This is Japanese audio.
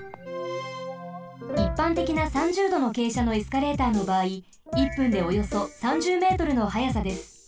いっぱんてきな３０どのけいしゃのエスカレーターのばあい１分でおよそ３０ｍの速さです。